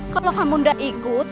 kalau kamu tidak ikut